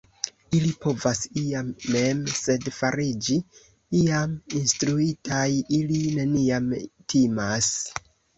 ili povas iam mem, sed fariĝi iam instruitaj ili neniam timas!